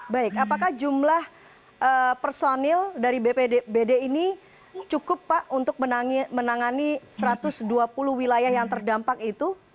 baik apakah jumlah personil dari bpbd ini cukup pak untuk menangani satu ratus dua puluh wilayah yang terdampak itu